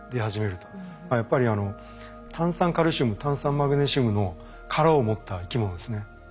やっぱり炭酸カルシウム炭酸マグネシウムの殻を持った生き物ですね。